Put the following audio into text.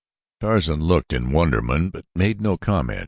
Tarzan looked his wonderment but made no comment.